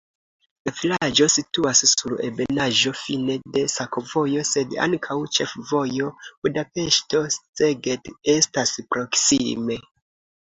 La vilaĝo situas sur ebenaĵo, fine de sakovojo, sed ankaŭ ĉefvojo Budapeŝto-Szeged estas proksime.